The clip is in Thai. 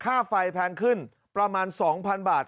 ค่าไฟแพงขึ้นประมาณ๒๐๐๐บาท